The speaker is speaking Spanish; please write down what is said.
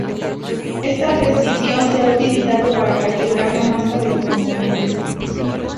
Esta precesión se ha utilizado para calcular las masas de los componentes.